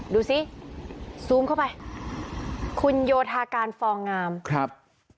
ดูสิซูมเข้าไปคุณโยธาการฟองงามครับ